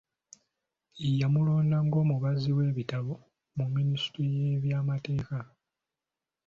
Yamulonda ng'omubazi w'ebitabo mu minisitule y’ebyamateeka.